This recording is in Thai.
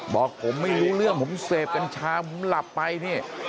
บอกผมไม่รู้เรื่องผมเสพกัญชาผมหลับไปนี่